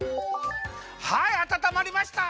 はいあたたまりました。